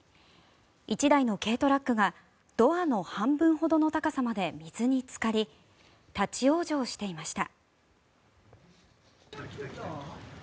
１台の軽トラックがドアの半分ほどの高さまで水につかり立ち往生していました。